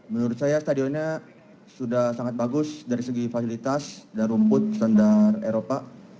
menurut saya stadionnya sudah sangat bagus dari segi fasilitas dan rumput standar eropa